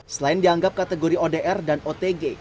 selain dianggap kategori odr dan otg